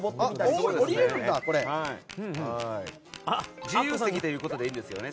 席は自由席ということでいいんですよね。